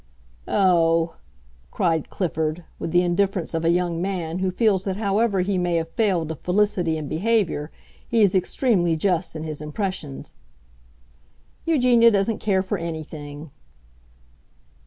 "Oh," cried Clifford, with the indifference of a young man who feels that however he may have failed of felicity in behavior he is extremely just in his impressions, "Eugenia doesn't care for anything!"